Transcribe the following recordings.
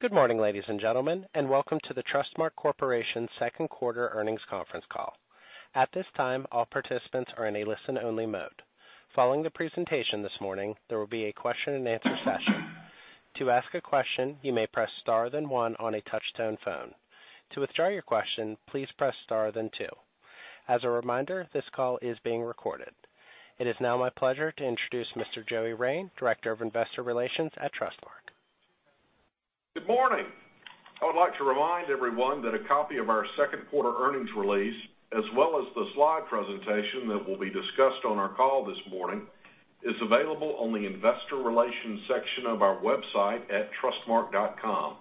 Good morning, ladies and gentlemen, and welcome to the Trustmark Corporation second quarter earnings conference call. At this time, all participants are in a listen-only mode. Following the presentation this morning, there will be a question and answer session. To ask a question, you may press star then one on a touch-tone phone. To withdraw your question, please press star then two. As a reminder, this call is being recorded. It is now my pleasure to introduce Mr. Joey Rein, Director of Investor Relations at Trustmark. Good morning. I would like to remind everyone that a copy of our second quarter earnings release, as well as the slide presentation that will be discussed on our call this morning, is available on the investor relations section of our website at trustmark.com.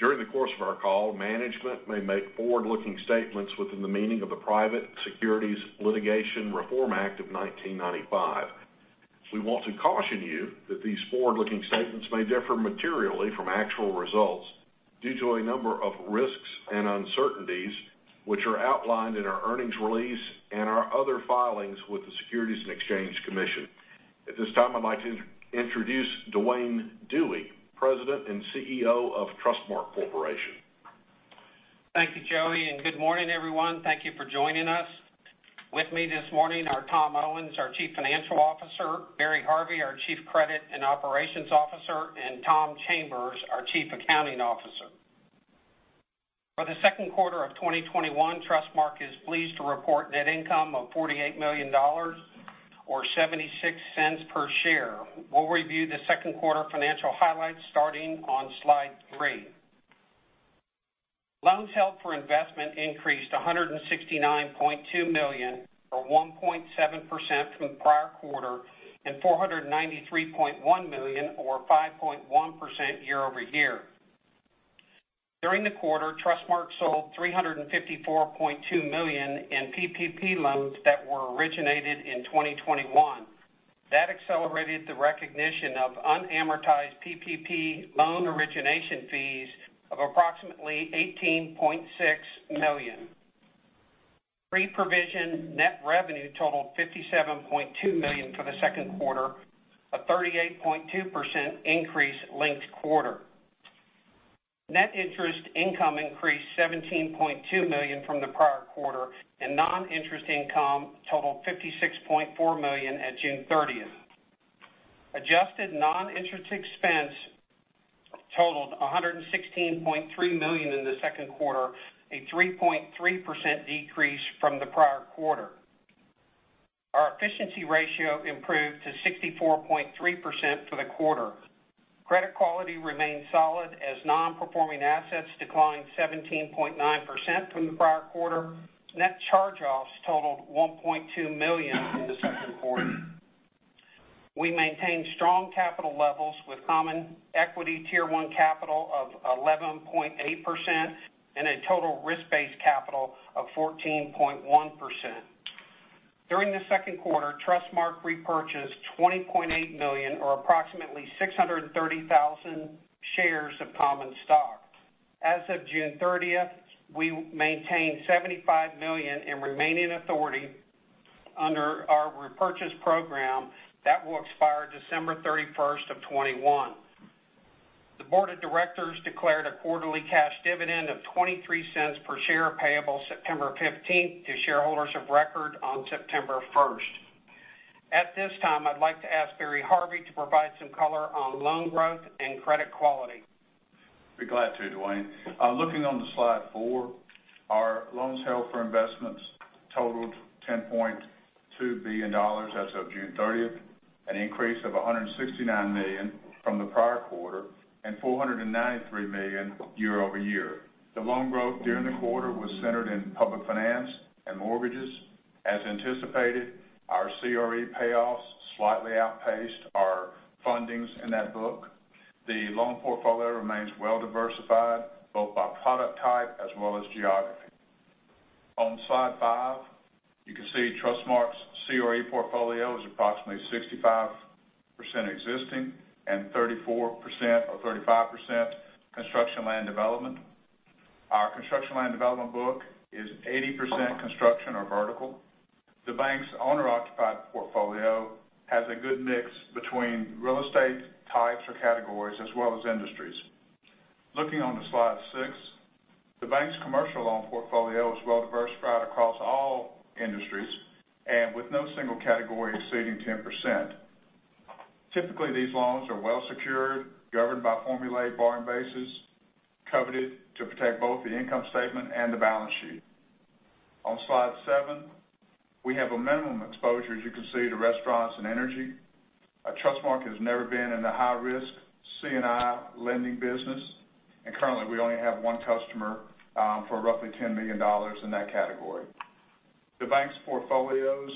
During the course of our call, management may make forward-looking statements within the meaning of the Private Securities Litigation Reform Act of 1995. We want to caution you that these forward-looking statements may differ materially from actual results due to a number of risks and uncertainties, which are outlined in our earnings release and our other filings with the Securities and Exchange Commission. At this time, I'd like to introduce Duane Dewey, President and CEO of Trustmark Corporation. Thank you, Joey. Good morning, everyone. Thank you for joining us. With me this morning are Tom Owens, our Chief Financial Officer, Barry Harvey, our Chief Credit and Operations Officer, and Tom Chambers, our Chief Accounting Officer. For the second quarter of 2021, Trustmark is pleased to report net income of $48 million, or $0.76 per share. We'll review the second quarter financial highlights starting on slide 3. loans held for investment increased to $169.2 million, or 1.7% from the prior quarter, and $493.1 million, or 5.1% year-over-year. During the quarter, Trustmark sold $354.2 million in PPP loans that were originated in 2021. That accelerated the recognition of unamortized PPP loan origination fees of approximately $18.6 million. Pre-provision net revenue totaled $57.2 million for the second quarter, a 38.2% increase linked-quarter. Net Interest Income increased $17.2 million from the prior quarter, and non-interest income totaled $56.4 million at June 30th. Adjusted Non-Interest Expense totaled $116.3 million in the second quarter, a 3.3% decrease from the prior quarter. Our efficiency ratio improved to 64.3% for the quarter. Credit quality remained solid as non-performing assets declined 17.9% from the prior quarter. Net charge-offs totaled $1.2 million in the second quarter. We maintained strong capital levels with Common Equity Tier 1 capital of 11.8% and a total risk-based capital of 14.1%. During the second quarter, Trustmark repurchased $20.8 million or approximately 630,000 shares of common stock. As of June 30th, we maintained $75 million in remaining authority under our repurchase program that will expire December 31st of 2021. The board of directors declared a quarterly cash dividend of $0.23 per share payable September 15th to shareholders of record on September 1st. At this time, I'd like to ask Barry Harvey to provide some color on loan growth and credit quality. Be glad to, Duane. Looking on the slide 4, our loans held for investment totaled $10.2 billion as of June 30th, an increase of $169 million from the prior quarter and $493 million year-over-year. The loan growth during the quarter was centered in public finance and mortgages. As anticipated, our CRE payoffs slightly outpaced our fundings in that book. The loan portfolio remains well-diversified, both by product type as well as geography. On slide 5, you can see Trustmark's CRE portfolio is approximately 65% existing and 34% or 35% construction land development. Our construction land development book is 80% construction or vertical. The bank's owner-occupied portfolio has a good mix between real estate types or categories, as well as industries. Looking on the slide 6, the bank's commercial loan portfolio is well-diversified across all industries and with no single category exceeding 10%. Typically, these loans are well secured, governed by formulaic borrowing bases, coveted to protect both the income statement and the balance sheet. On slide 7, we have a minimum exposure, as you can see, to restaurants and energy. Trustmark has never been in the high-risk C&I lending business, and currently, we only have 1 customer for roughly $10 million in that category. The bank's portfolios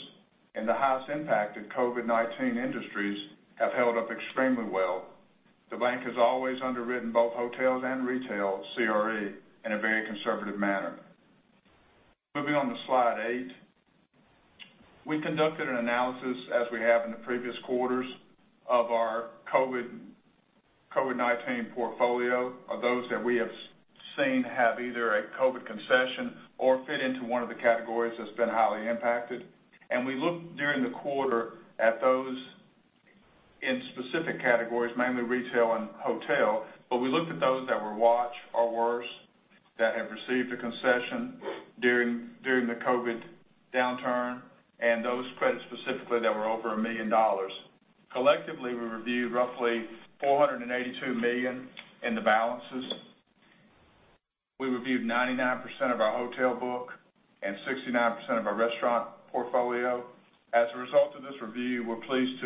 in the highest impacted COVID-19 industries have held up extremely well. The bank has always underwritten both hotels and retail CRE in a very conservative manner. Moving on to slide 8. We conducted an analysis, as we have in the previous quarters, of our COVID-19 portfolio of those that we have seen have either a COVID concession or fit into 1 of the categories that's been highly impacted. We looked during the quarter at those in specific categories, mainly retail and hotel, but we looked at those that were watch or worse, that have received a concession during the COVID-19 downturn, and those credits specifically that were over $1 million. Collectively, we reviewed roughly $482 million in the balances. We reviewed 99% of our hotel book and 69% of our restaurant portfolio. As a result of this review, we're pleased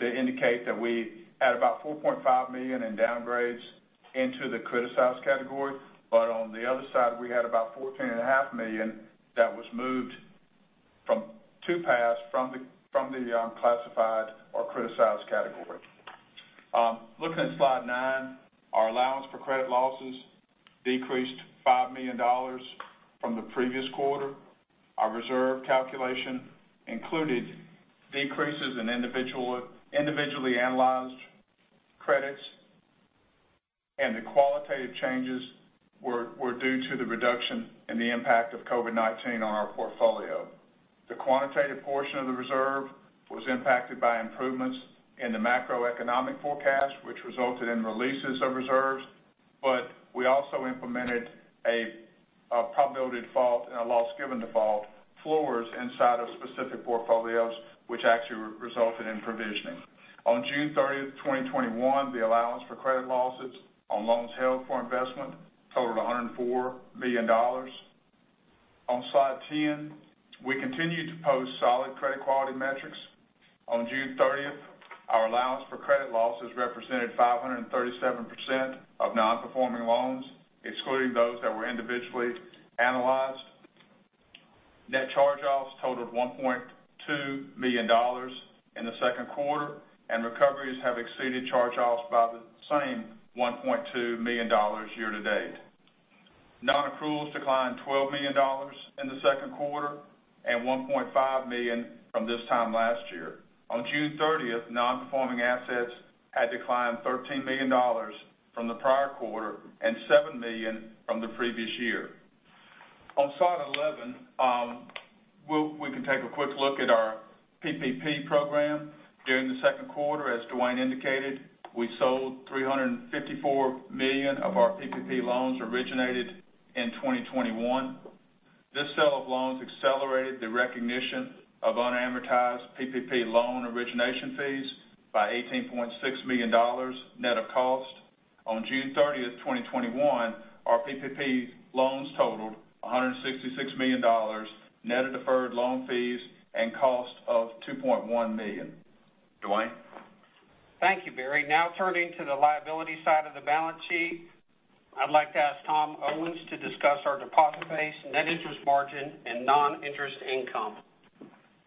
to indicate that we had about $4.5 million in downgrades into the criticized category. On the other side, we had about $14.5 million that was moved from two paths from the unclassified or criticized category. Looking at slide 9, our allowance for credit losses decreased $5 million from the previous quarter. Our reserve calculation included decreases in individually analyzed credits, and the qualitative changes were due to the reduction in the impact of COVID-19 on our portfolio. The quantitative portion of the reserve was impacted by improvements in the macroeconomic forecast, which resulted in releases of reserves. We also implemented a probability of default and a loss given default floors inside of specific portfolios, which actually resulted in provisioning. On June 30th, 2021, the allowance for credit losses on loans held for investment totaled $104 million. On slide 10, we continue to post solid credit quality metrics. On June 30th, our allowance for credit losses represented 537% of non-performing loans, excluding those that were individually analyzed. Net charge-offs totaled $1.2 million in the second quarter, and recoveries have exceeded charge-offs by the same $1.2 million year to date. Non-accruals declined $12 million in the second quarter and $1.5 million from this time last year. On June 30th, non-performing assets had declined $13 million from the prior quarter and $7 million from the previous year. On slide 11, we can take a quick look at our PPP program during the second quarter. As Duane indicated, we sold $354 million of our PPP loans originated in 2021. This sale of loans accelerated the recognition of unamortized PPP loan origination fees by $18.6 million net of cost. On June 30th, 2021, our PPP loans totaled $166 million, net of deferred loan fees and cost of $2.1 million. Duane? Thank you, Barry. Now turning to the liability side of the balance sheet. I'd like to ask Tom Owens to discuss our deposit base, net interest margin, and non-interest income.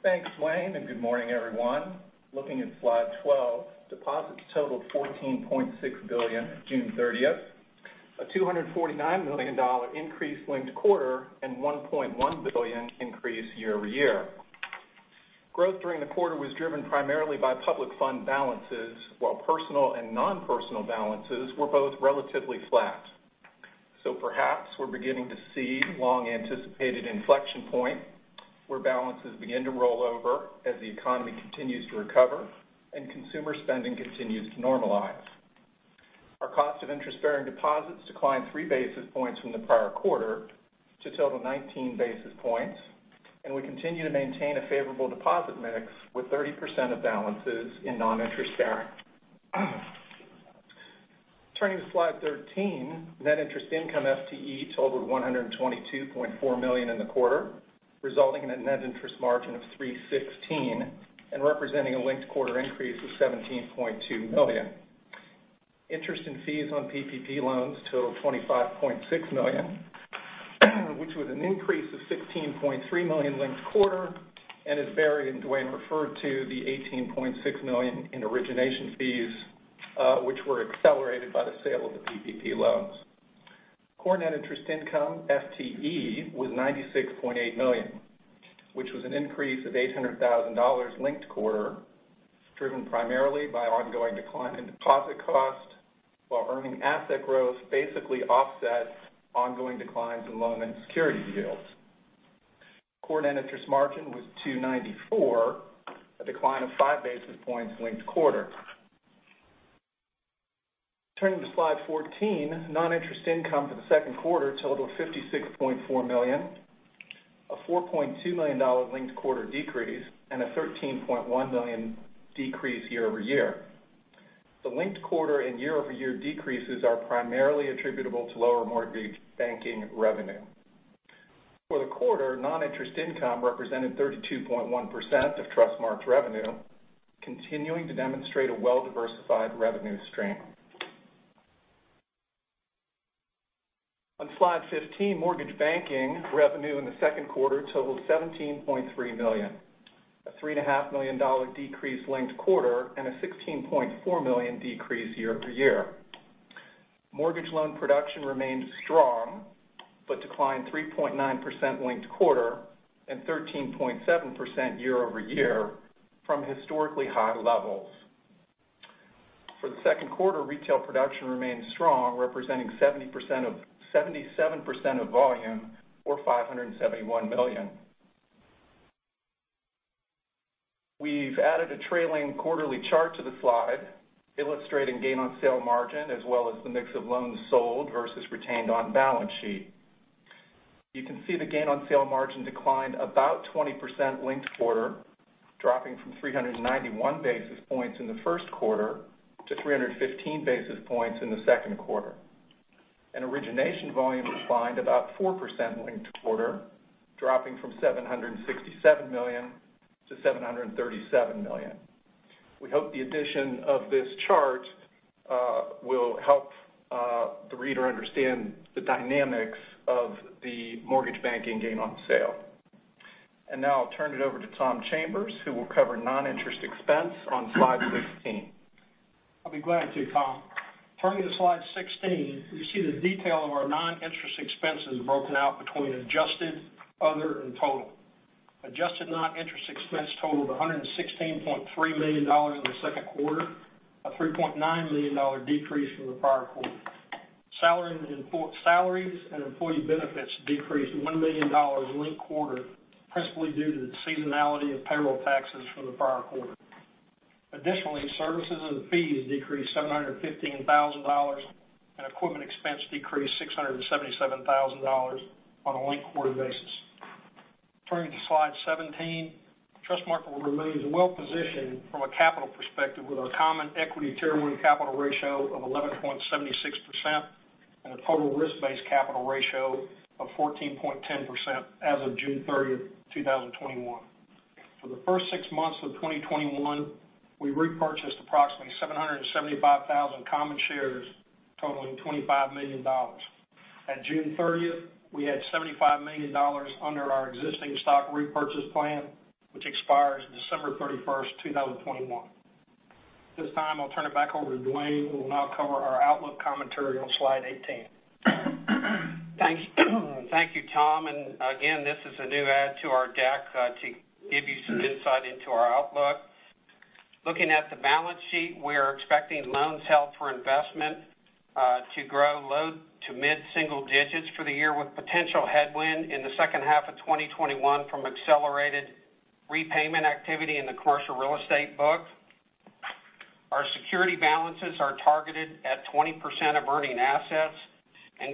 Thanks, Duane, good morning, everyone. Looking at slide 12, deposits totaled $14.6 billion at June 30th, a $249 million increase linked quarter and $1.1 billion increase year-over-year. Growth during the quarter was driven primarily by public fund balances, while personal and non-personal balances were both relatively flat. Perhaps we're beginning to see long-anticipated inflection point where balances begin to roll over as the economy continues to recover and consumer spending continues to normalize. Our cost of interest-bearing deposits declined 3 basis points from the prior quarter to total 19 basis points, and we continue to maintain a favorable deposit mix with 30% of balances in non-interest bearing. Turning to slide 13, net interest income FTE totaled $122.4 million in the quarter, resulting in a net interest margin of 316 and representing a linked quarter increase of $17.2 million. Interest and fees on PPP loans totaled $25.6 million, which was an increase of $16.3 million linked quarter and as Barry Harvey and Duane Dewey referred to, the $18.6 million in origination fees, which were accelerated by the sale of the PPP loans. Core net interest income FTE was $96.8 million, which was an increase of $800,000 linked quarter, driven primarily by ongoing decline in deposit cost while earning asset growth basically offset ongoing declines in loan and security yields. Core net interest margin was 294 basis points, a decline of 5 basis points linked quarter. Turning to slide 14, non-interest income for the second quarter totaled $56.4 million, a $4.2 million linked quarter decrease, and a $13.1 million decrease year-over-year. The linked quarter and year-over-year decreases are primarily attributable to lower mortgage banking revenue. For the quarter, non-interest income represented 32.1% of Trustmark's revenue, continuing to demonstrate a well-diversified revenue stream. On slide 15, mortgage banking revenue in the second quarter totaled $17.3 million, a $3.5 million decrease linked-quarter, and a $16.4 million decrease year-over-year. Mortgage loan production remained strong, but declined 3.9% linked-quarter and 13.7% year-over-year from historically high levels. For the second quarter, retail production remained strong, representing 77% of volume, or $571 million. We've added a trailing quarterly chart to the slide illustrating gain on sale margin as well as the mix of loans sold versus retained on balance sheet. You can see the gain on sale margin declined about 20% linked quarter, dropping from 391 basis points in the first quarter to 315 basis points in the second quarter. Origination volume declined about 4% linked quarter, dropping from $767 million-$737 million. We hope the addition of this chart will help the reader understand the dynamics of the mortgage banking gain on sale. Now I'll turn it over to George Chambers, who will cover non-interest expense on slide 16. I'll be glad to, Tom. Turning to slide 16, you see the detail of our Non-Interest Expenses broken out between adjusted, other, and total. Adjusted Non-Interest Expense totaled $116.3 million in the second quarter, a $3.9 million decrease from the prior quarter. Salaries and employee benefits decreased $1 million linked quarter, principally due to the seasonality of payroll taxes from the prior quarter. Additionally, services and fees decreased $715,000 and equipment expense decreased $677,000 on a linked quarter basis. Turning to slide 17, Trustmark remains well-positioned from a capital perspective with our Common Equity Tier 1 capital ratio of 11.76% and a total risk-based capital ratio of 14.10% as of June 30th, 2021. For the first six months of 2021, we repurchased approximately 775,000 common shares totaling $25 million. At June 30th, we had $75 million under our existing stock repurchase plan, which expires December 31st, 2021. At this time, I'll turn it back over to Duane, who will now cover our outlook commentary on slide 18. Thank you, Tom. Again, this is a new add to our deck to give you some insight into our outlook. Looking at the balance sheet, we are expecting loans held for investment to grow low to mid single digits for the year, with potential headwind in the second half of 2021 from accelerated repayment activity in the commercial real estate book. Our security balances are targeted at 20% of earning assets.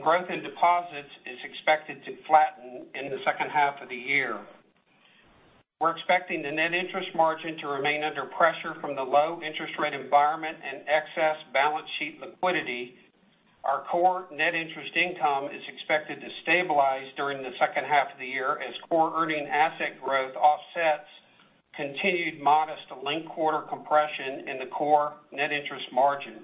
Growth in deposits is expected to flatten in the second half of the year. We're expecting the net interest margin to remain under pressure from the low interest rate environment and excess balance sheet liquidity. Our core net interest income is expected to stabilize during the second half of the year as core earning asset growth offsets continued modest linked quarter compression in the core net interest margin.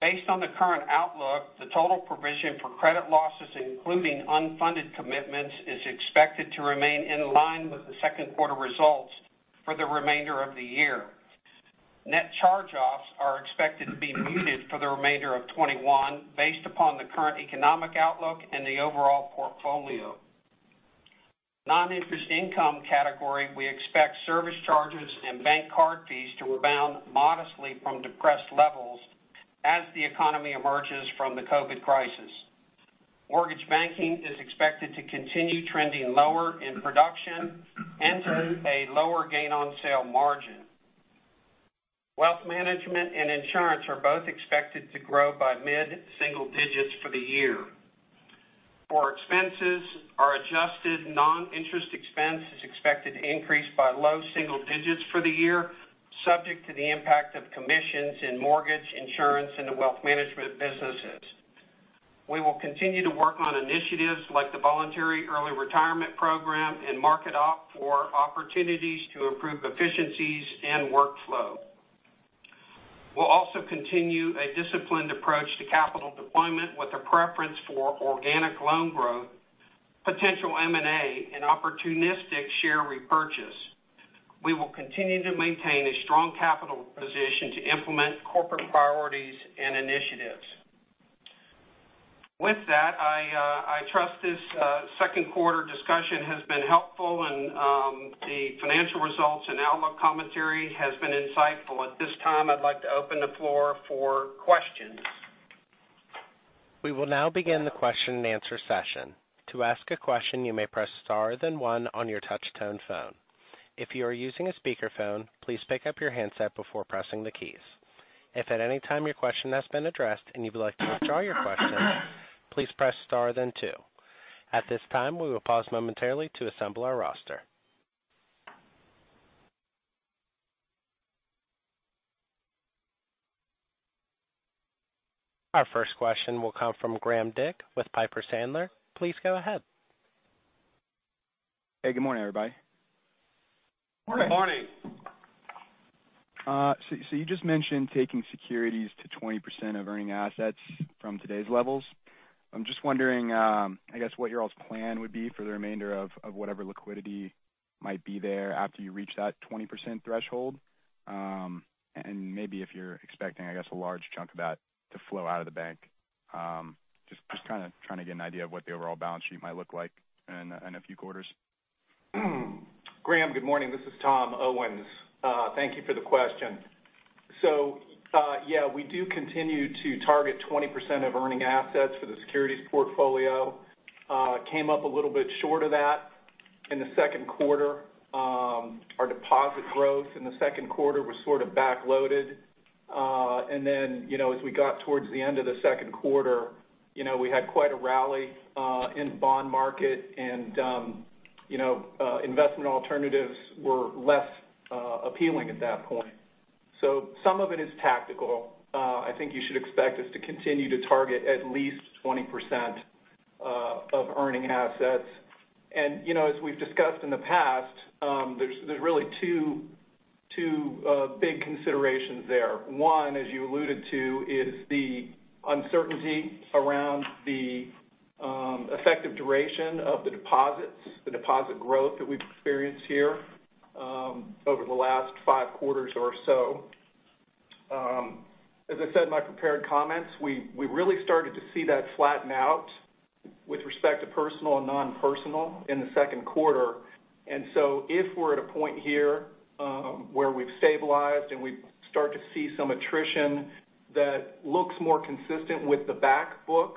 Based on the current outlook, the total provision for credit losses, including unfunded commitments, is expected to remain in line with the second quarter results for the remainder of the year. Net charge-offs are expected to be muted for the remainder of 2021 based upon the current economic outlook and the overall portfolio. Non-interest income category, we expect service charges and bank card fees to rebound modestly from depressed levels as the economy emerges from the COVID-19 crisis. Mortgage banking is expected to continue trending lower in production and show a lower gain on sale margin. Wealth management and insurance are both expected to grow by mid-single digits for the year. For expenses, our adjusted non-interest expense is expected to increase by low-single digits for the year, subject to the impact of commissions in mortgage, insurance, and the wealth management businesses. We will continue to work on initiatives like the voluntary early retirement program and market opt for opportunities to improve efficiencies and workflow. We'll also continue a disciplined approach to capital deployment with a preference for organic loan growth, potential M&A, and opportunistic share repurchase. We will continue to maintain a strong capital position to implement corporate priorities and initiatives. With that, I trust this second quarter discussion has been helpful and the financial results and outlook commentary has been insightful. At this time, I'd like to open the floor for questions. We will now begin the question and answer session. To ask a question, you may press star then 1 on your touchtone phone. If you are using a speakerphone, please pick up your handset before pressing the keys. If at any time your question has been addressed and you'd like to withdraw your question, please press star then 2. At this time, we will pause momentarily to assemble our roster. Our first question will come from Graham Dick with Piper Sandler. Please go ahead. Hey, good morning, everybody. Morning. Good morning. You just mentioned taking securities to 20% of earning assets from today's levels. I'm just wondering, I guess what your all's plan would be for the remainder of whatever liquidity might be there after you reach that 20% threshold. Maybe if you're expecting, I guess, a large chunk of that to flow out of the bank. Just trying to get an idea of what the overall balance sheet might look like in a few quarters. Graham, good morning. This is Tom Owens. Thank you for the question. Yeah, we do continue to target 20% of earning assets for the securities portfolio. Came up a little bit short of that in the second quarter. Our deposit growth in the second quarter was sort of back-loaded. As we got towards the end of the second quarter, we had quite a rally in bond market and investment alternatives were less appealing at that point. Some of it is tactical. I think you should expect us to continue to target at least 20% of earning assets. As we've discussed in the past, there's really two big considerations there. One, as you alluded to, is the uncertainty around the effective duration of the deposits, the deposit growth that we've experienced here over the last five quarters or so. As I said in my prepared comments, we really started to see that flatten out with respect to personal and non-personal in the second quarter. If we're at a point here where we've stabilized and we start to see some attrition that looks more consistent with the back book,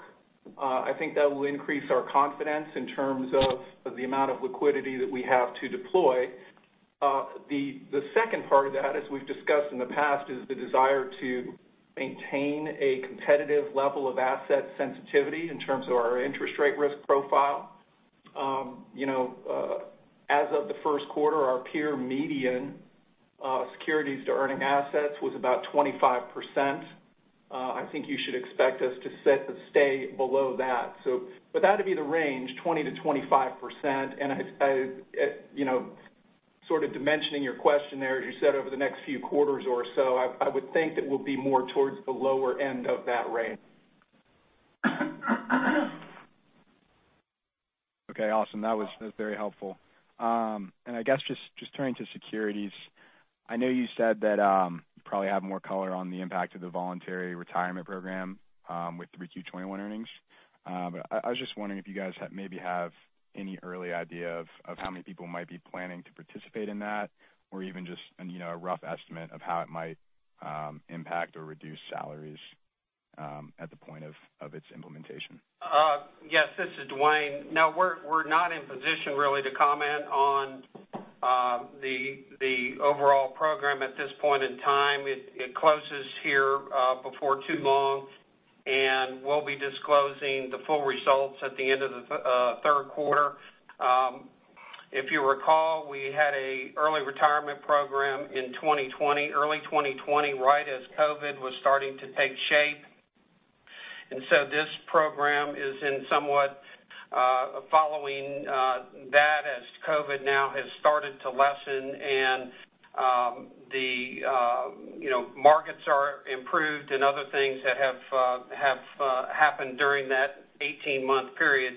I think that will increase our confidence in terms of the amount of liquidity that we have to deploy. The second part of that, as we've discussed in the past, is the desire to maintain a competitive level of asset sensitivity in terms of our interest rate risk profile. As of the first quarter, our peer median securities to earning assets was about 25%. I think you should expect us to set the stay below that. For that to be the range, 20%-25%. Sort of dimensioning your question there, as you said, over the next few quarters or so, I would think that we'll be more towards the lower end of that range. Okay, awesome. That was very helpful. I guess just turning to securities, I know you said that you probably have more color on the impact of the voluntary retirement program with 3Q 2021 earnings. I was just wondering if you guys maybe have any early idea of how many people might be planning to participate in that, or even just a rough estimate of how it might impact or reduce salaries at the point of its implementation. Yes, this is Duane. We're not in position really to comment on the overall program at this point in time. It closes here before too long, and we'll be disclosing the full results at the end of the third quarter. If you recall, we had an early retirement program in early 2020, right as COVID-19 was starting to take shape. This program is in somewhat following that as COVID-19 now has started to lessen and the markets are improved and other things that have happened during that 18-month period.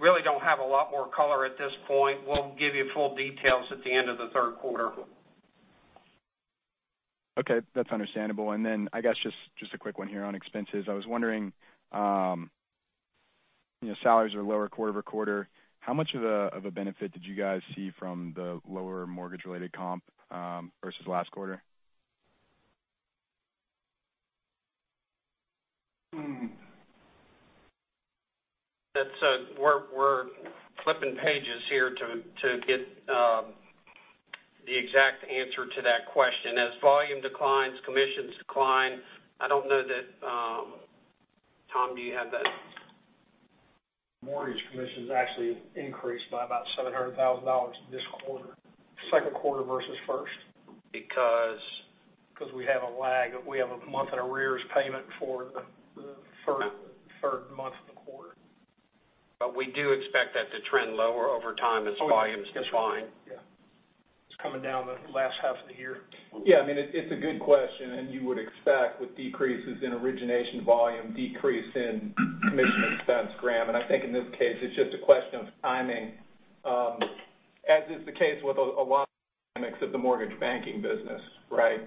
Really don't have a lot more color at this point. We'll give you full details at the end of the third quarter. Okay, that's understandable. I guess just a quick one here on expenses. I was wondering, salaries are lower quarter-over-quarter. How much of a benefit did you guys see from the lower mortgage-related comp versus last quarter? We're flipping pages here to get the exact answer to that question. As volume declines, commissions decline. I don't know that, Tom, do you have that? Mortgage commissions actually increased by about $700,000 this quarter, second quarter versus first. Because? We have a lag. We have a month in arrears payment for the third month of the quarter. We do expect that to trend lower over time as volumes decline. Yeah. It's coming down the last half of the year. Yeah, it's a good question. You would expect with decreases in origination volume, decrease in commission expense, Graham. I think in this case, it's just a question of timing, as is the case with a lot of the mortgage banking business, right?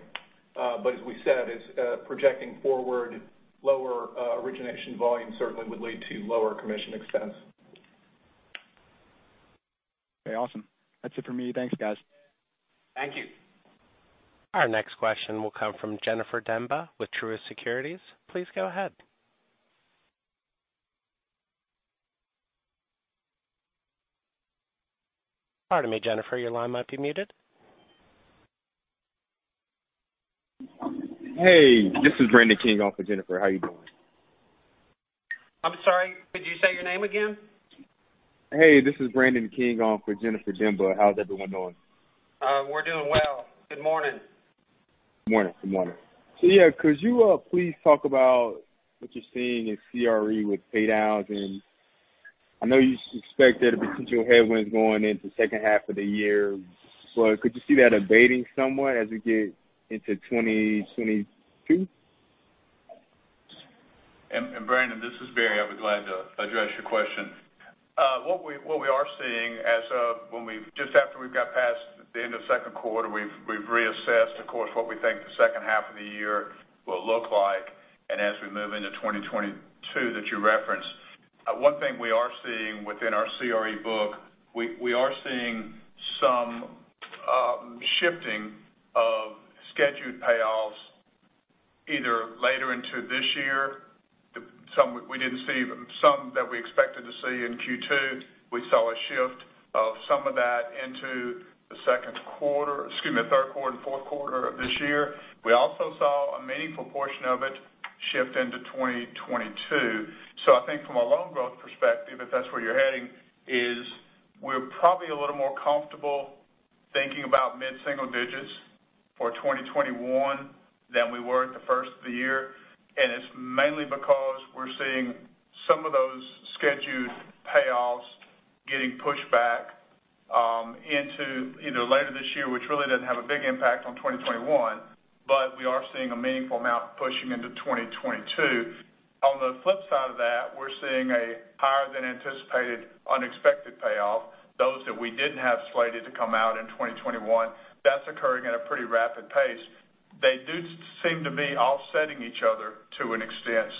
As we said, it's projecting forward lower origination volume certainly would lead to lower commission expense. Okay, awesome. That's it for me. Thanks, guys. Thank you. Our next question will come from Jennifer Demba with Truist Securities. Please go ahead. Pardon me, Jennifer, your line might be muted. Hey, this is Brandon King on for Jennifer. How you doing? I'm sorry, could you say your name again? Hey, this is Brandon King on for Jennifer Demba. How's everyone doing? We're doing well. Good morning. Morning. Yeah, could you please talk about what you're seeing in CRE with pay downs? I know you expect there to be potential headwinds going into second half of the year, could you see that abating somewhat as we get into 2022? Brandon, this is Barry. I will be glad to address your question. What we are seeing just after we have got past the end of second quarter, we have reassessed, of course, what we think the second half of the year will look like and as we move into 2022, that you referenced. One thing we are seeing within our CRE book, we are seeing some shifting of scheduled payoffs either later into this year. Some that we expected to see in Q2, we saw a shift of some of that into the third quarter and fourth quarter of this year. We also saw a meaningful portion of it shift into 2022. I think from a loan growth perspective, if that's where you're heading, is we're probably a little more comfortable thinking about mid-single digits for 2021 than we were at the first of the year. It's mainly because we're seeing some of those scheduled payoffs getting pushed back into either later this year, which really doesn't have a big impact on 2021. We are seeing a meaningful amount pushing into 2022. On the flip side of that, we're seeing a higher than anticipated unexpected payoff, those that we didn't have slated to come out in 2021. That's occurring at a pretty rapid pace. They do seem to be offsetting each other to an extent.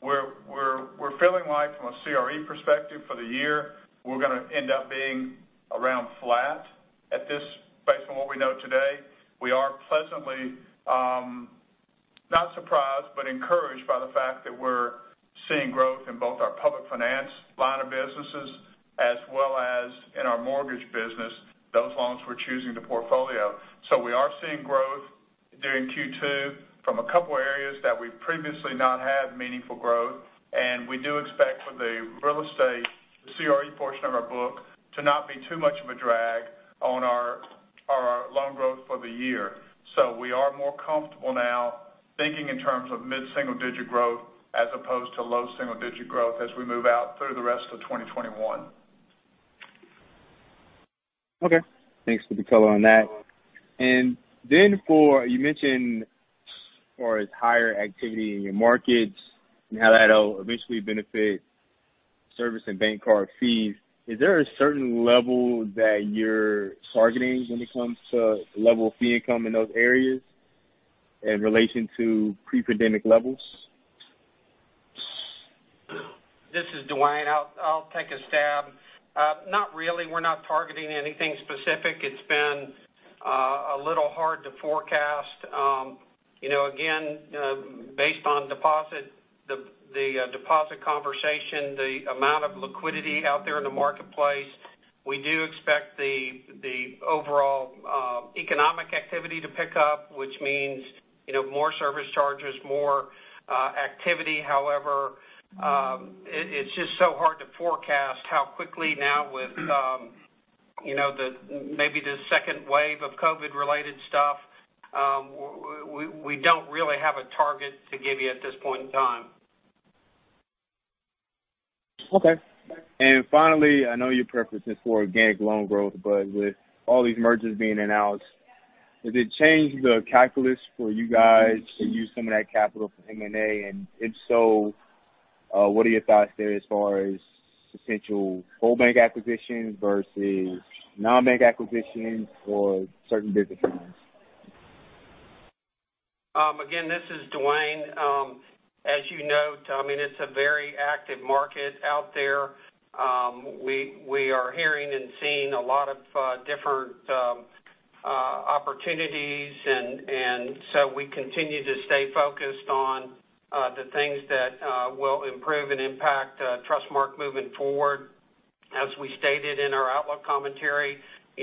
We're feeling like from a CRE perspective for the year, we're going to end up being around flat based on what we know today. We are pleasantly, not surprised, but encouraged by the fact that we're seeing growth in both our public finance line of businesses as well as in our mortgage business. Those loans we're choosing to portfolio. We are seeing growth during Q2 from a couple areas that we've previously not had meaningful growth. We do expect for the real estate, the CRE portion of our book to not be too much of a drag on our loan growth for the year. We are more comfortable now thinking in terms of mid-single digit growth as opposed to low single digit growth as we move out through the rest of 2021. Okay. Thanks for the color on that. You mentioned as far as higher activity in your markets and how that'll eventually benefit service and bank card fees. Is there a certain level that you're targeting when it comes to level of fee income in those areas in relation to pre-pandemic levels? This is Duane. I'll take a stab. Not really. We're not targeting anything specific. It's been a little hard to forecast. Again, based on the deposit conversation, the amount of liquidity out there in the marketplace, we do expect the overall economic activity to pick up, which means more service charges, more activity. It's just so hard to forecast how quickly now with maybe the second wave of COVID-19 related stuff. We don't really have a target to give you at this point in time. Okay. Finally, I know your preference is for organic loan growth, but with all these mergers being announced, does it change the calculus for you guys to use some of that capital for M&A? If so, what are your thoughts there as far as potential whole bank acquisitions versus non-bank acquisitions or certain businesses? This is Duane. As you note, it's a very active market out there. We are hearing and seeing a lot of different opportunities. We continue to stay focused on the things that will improve and impact Trustmark moving forward. As we stated in our outlook commentary,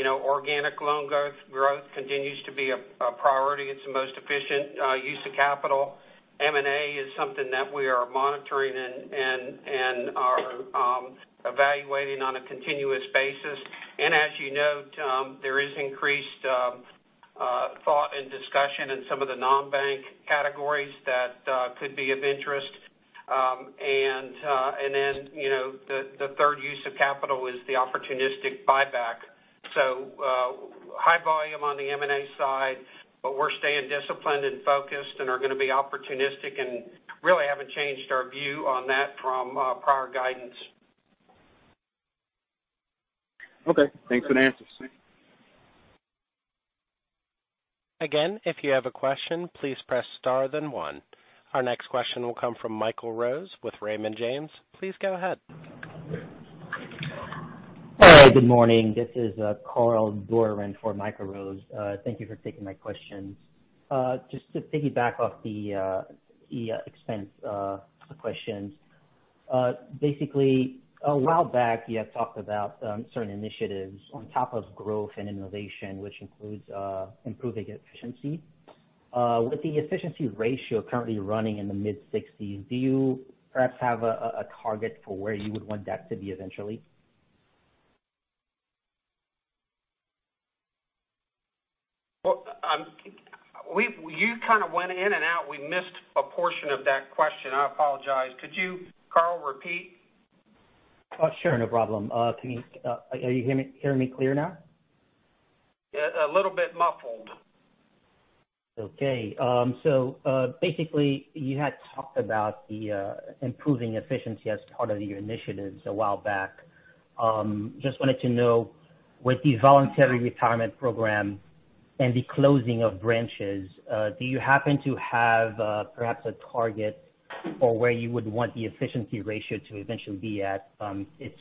organic loan growth continues to be a priority. It's the most efficient use of capital. M&A is something that we are monitoring and are evaluating on a continuous basis. As you note, there is increased thought and discussion in some of the non-bank categories that could be of interest. The third use of capital is the opportunistic buyback. High volume on the M&A side, but we're staying disciplined and focused and are going to be opportunistic and really haven't changed our view on that from prior guidance. Okay. Thanks for the answers. Again, if you have a question, please press star then one. Our next question will come from Michael Rose with Raymond James. Please go ahead. Hello, good morning. This is Carl Doran for Michael Rose. Thank you for taking my questions. Just to piggyback off the expense questions. Basically, a while back you had talked about certain initiatives on top of growth and innovation, which includes improving efficiency. With the Efficiency Ratio currently running in the mid-60s, do you perhaps have a target for where you would want that to be eventually? You kind of went in and out. We missed a portion of that question. I apologize. Could you, Carl, repeat? Sure, no problem. Are you hearing me clear now? Yeah, a little bit muffled. Okay. Basically, you had talked about the improving efficiency as part of your initiatives a while back. Just wanted to know, with the voluntary retirement program and the closing of branches, do you happen to have perhaps a target for where you would want the Efficiency Ratio to eventually be at, given it's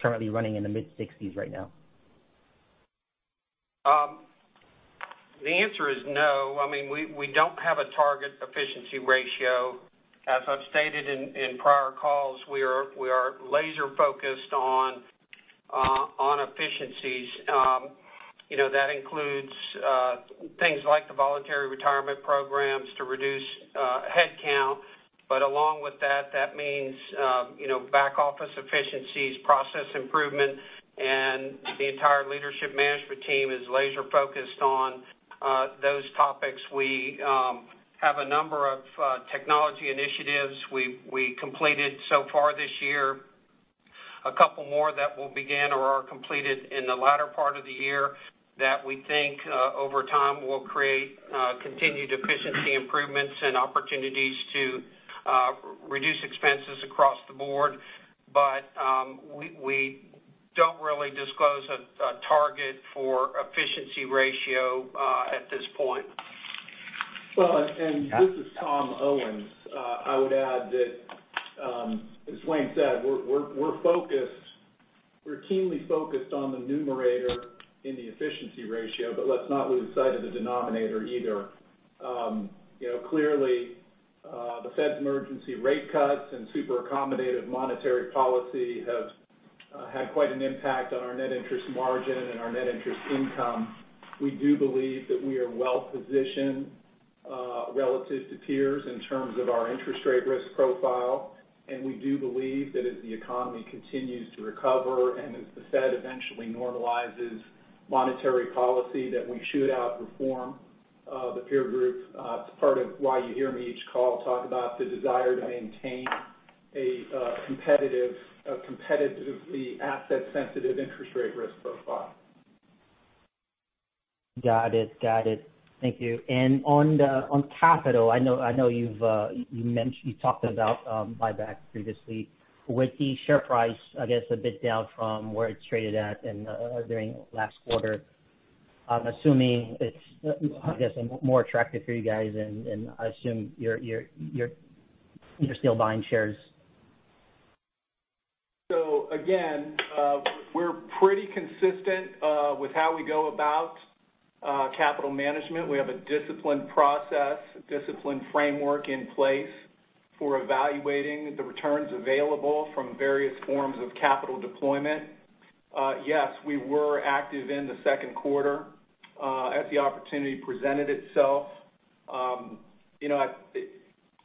currently running in the mid-60s right now? The answer is no. We don't have a target Efficiency Ratio. As I've stated in prior calls, we are laser-focused on efficiencies. That includes things like the voluntary early retirement programs to reduce headcount. Along with that means back-office efficiencies, process improvement, and the entire leadership management team is laser-focused on those topics. We have a number of technology initiatives we completed so far this year. Two more that will begin or are completed in the latter part of the year that we think over time will create continued efficiency improvements and opportunities to reduce expenses across the board. We don't really disclose a target for Efficiency Ratio at this point. Well, this is Tom Owens. I would add that, as Duane Dewey said, we're keenly focused on the numerator in the Efficiency Ratio, but let's not lose sight of the denominator either. Clearly, the Fed's emergency rate cuts and super accommodative monetary policy have had quite an impact on our net interest margin and our Net Interest Income. We do believe that we are well-positioned relative to peers in terms of our interest rate risk profile. We do believe that as the economy continues to recover and as the Fed eventually normalizes monetary policy, that we should outperform the peer groups. It's part of why you hear me each call talk about the desire to maintain a competitively asset-sensitive interest rate risk profile. Got it. Thank you. On capital, I know you talked about buybacks previously. With the share price, I guess, a bit down from where it traded at during last quarter, I'm assuming it's more attractive for you guys, and I assume you're still buying shares. Again, we're pretty consistent with how we go about capital management. We have a disciplined process, a disciplined framework in place for evaluating the returns available from various forms of capital deployment. Yes, we were active in the second quarter as the opportunity presented itself.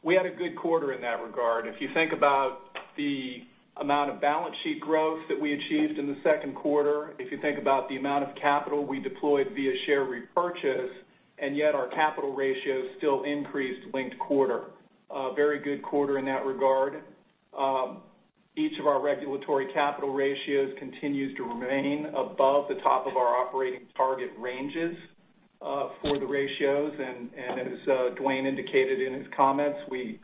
We had a good quarter in that regard. If you think about the amount of balance sheet growth that we achieved in the second quarter, if you think about the amount of capital we deployed via share repurchase, and yet our capital ratios still increased linked quarter. A very good quarter in that regard. Each of our regulatory capital ratios continues to remain above the top of our operating target ranges for the ratios. As Duane indicated in his comments, we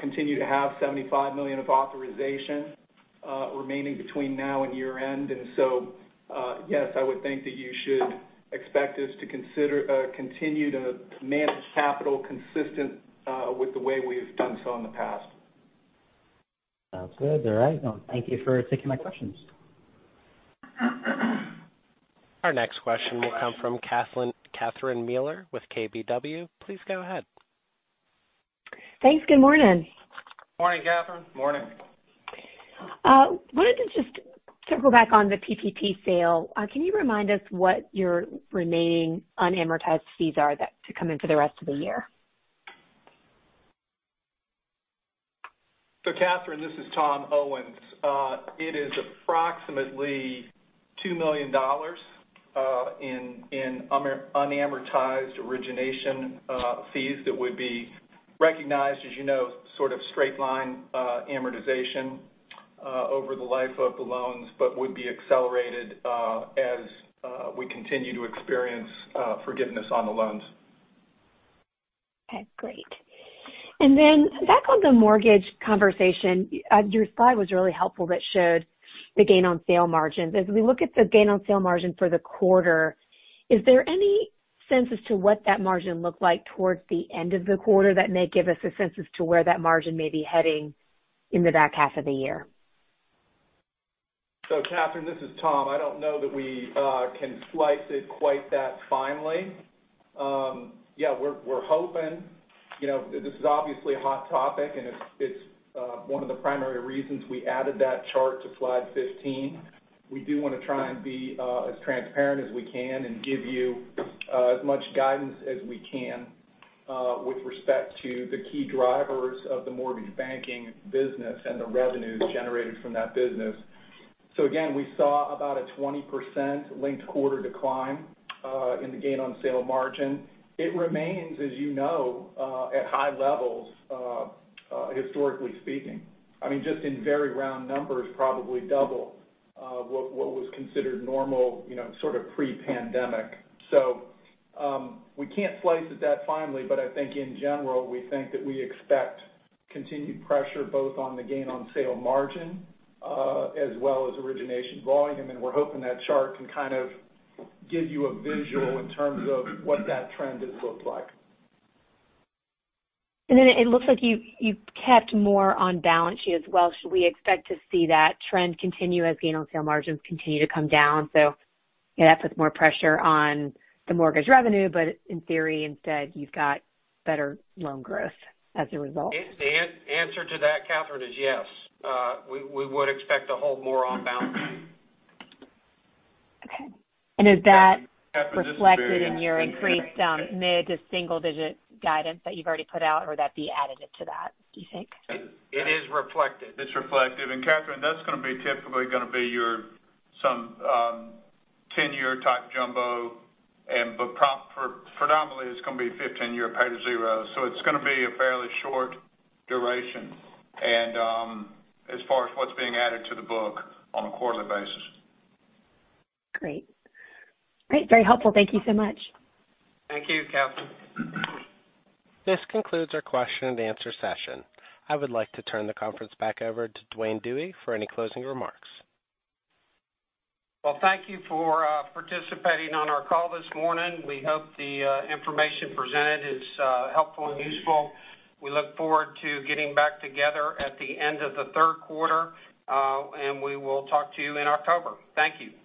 continue to have $75 million of authorization remaining between now and year-end. Yes, I would think that you should expect us to continue to manage capital consistent with the way we've done so in the past. Sounds good. All right. Thank you for taking my questions. Our next question will come from Catherine Mealor with KBW. Please go ahead. Thanks. Good morning. Morning, Catherine. Morning. wanted to just go back on the PPP sale. Can you remind us what your remaining unamortized fees are to come in for the rest of the year? Catherine, this is Tom Owens. It is approximately $2 million in unamortized origination fees that would be recognized, as you know, sort of straight-line amortization over the life of the loans, but would be accelerated as we continue to experience forgiveness on the loans. Okay, great. Back on the mortgage conversation, your slide was really helpful that showed the gain on sale margins. As we look at the gain on sale margin for the quarter, is there any sense as to what that margin looked like towards the end of the quarter that may give us a sense as to where that margin may be heading in the back half of the year? Catherine, this is Tom. I don't know that we can slice it quite that finely. We're hoping. This is obviously a hot topic, and it's one of the primary reasons we added that chart to slide 15. We do want to try and be as transparent as we can and give you as much guidance as we can with respect to the key drivers of the mortgage banking business and the revenues generated from that business. Again, we saw about a 20% linked quarter decline in the gain on sale margin. It remains, as you know, at high levels historically speaking. Just in very round numbers, probably 2x what was considered normal pre-pandemic. We can't slice it that finely, but I think in general, we think that we expect continued pressure both on the gain on sale margin as well as origination volume. We're hoping that chart can kind of give you a visual in terms of what that trend has looked like. It looks like you've kept more on balance sheet as well. Should we expect to see that trend continue as gain on sale margins continue to come down? That puts more pressure on the mortgage revenue, but in theory, instead, you've got better loan growth as a result. The answer to that, Catherine, is yes. We would expect to hold more on balance sheet. Okay. Catherine, this is Duane- Reflected in your increased mid to single digit guidance that you've already put out or would that be additive to that, do you think? It is reflected. It's reflected. Catherine, that's going to be typically going to be your some 10-year type jumbo, but predominantly it's going to be 15-year pay to zero. It's going to be a fairly short duration as far as what's being added to the book on a quarterly basis. Great. Very helpful. Thank you so much. Thank you, Catherine. This concludes our question and answer session. I would like to turn the conference back over to Duane Dewey for any closing remarks. Well, thank you for participating on our call this morning. We hope the information presented is helpful and useful. We look forward to getting back together at the end of the third quarter, and we will talk to you in October. Thank you.